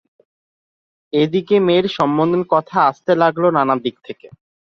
এদিকে মেয়ের সম্বন্ধের কথা আসতে লাগল নানা দিক থেকে।